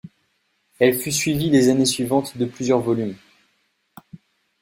Elle fut suivi les années suivantes de plusieurs volumes.